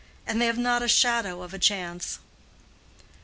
And they have not a shadow of a chance."